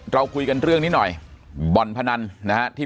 ปากกับภาคภูมิ